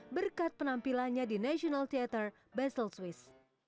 berkat penampilannya di national teater basel swiss